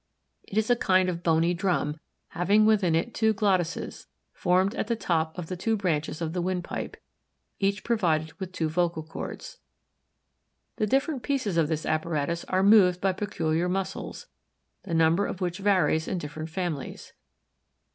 It is a kind of bony drum, having within it two glottises, formed at the top of the two branches of the windpipe, each provided with two vocal chords. The different pieces of this apparatus are moved by peculiar muscles, the number of which varies in different families.